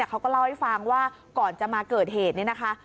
เขาก็เล่าให้ฟังว่าก่อนจะมาเกิดเหตุนี้นะคะ